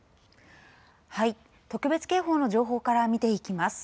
特別警報の情報から見ていきます。